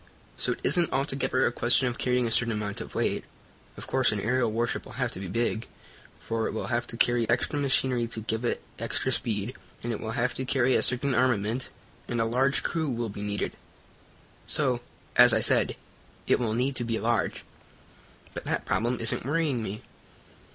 So it isn't altogether a question of carrying a certain amount of weight. Of course, an aerial warship will have to be big, for it will have to carry extra machinery to give it extra speed, and it will have to carry a certain armament, and a large crew will be needed. So, as I said, it will need to be large. But that problem isn't worrying me."